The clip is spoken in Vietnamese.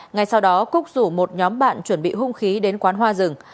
ngay sau đó cúc rủ một nhóm bạn chuẩn bị hung khí đến quán hoa rừng